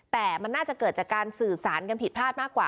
แต่มันน่าจะเกิดจากการสื่อสารกันผิดพลาดมากกว่า